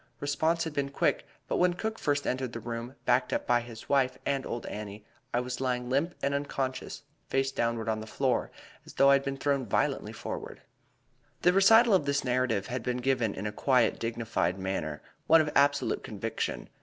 Response had been quick, but when Cook first entered the room, backed up by the wife and old Annie, I was lying limp and unconscious, face downward on the floor, as though I had been thrown violently forward." The recital of this narrative had been given in a quiet, dignified manner one of absolute conviction.